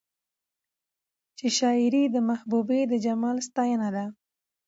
چې شاعري د محبوبې د جمال ستاينه ده